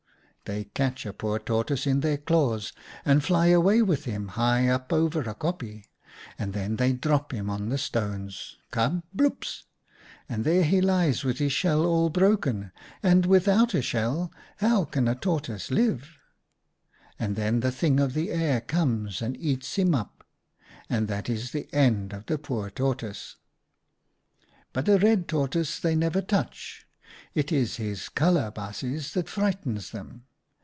They catch a poor Tortoise in their claws and fly away with him, high up over a kopje, and then they drop him on the stones — kabloops !— and there he lies with his shell all broken, and without a shell how can a Tortoise live ? And then the Thing of the Air comes and eats him up, and that is the end of the poor Tortoise. But a Red Tortoise they never touch. It is his colour, baasjes, that frightens them.